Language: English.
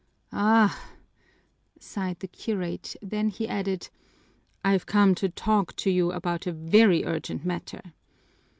"Ah!" sighed the curate, then he added, "I've come to talk to you about a very urgent matter."